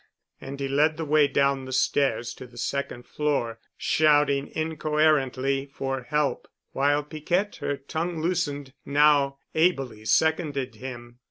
And he led the way down the stairs to the second floor, shouting incoherently for help, while Piquette, her tongue loosened, now ably seconded him.